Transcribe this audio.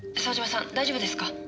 沢嶋さん大丈夫ですか？